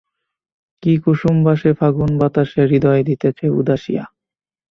কী কুসুমবাসে ফাগুনবাতাসে হৃদয় দিতেছে উদাসিয়া।